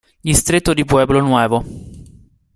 Distretto di Pueblo Nuevo